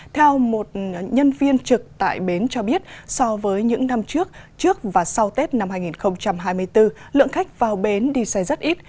theo một nhân viên trực tại bến cho biết so với những năm trước trước và sau tết năm hai nghìn hai mươi bốn lượng khách vào bến đi xe rất ít